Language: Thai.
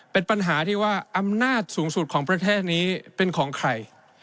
เป็นปัญหาที่ว่าอำนาจสูงสุดของประเทศนี้เป็นของใคร